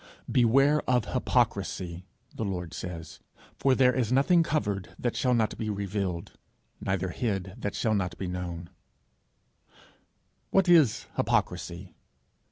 'Beware of hypocrisy,' the Lord says, 'for there is nothing covered, that shall not be revealed, neither hid, that shall not be known,' What is hypocrisy?